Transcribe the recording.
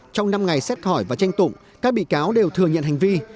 trong năm ngày xét hỏi và tranh tụng các bị cáo đều thừa nhận hành vi